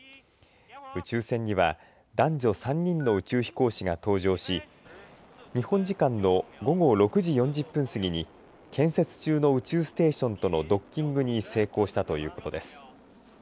宇宙船には男女３人の宇宙飛行士が搭乗し日本時間の午後６時４０分過ぎに建設中の宇宙ステーションとのドッキングに成功したということです。